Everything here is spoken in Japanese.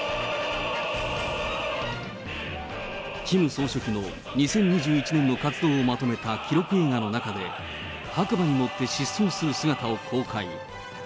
キム総書記の２０２１年の活動をまとめた記録映画の中で、白馬に乗って疾走する姿を公開。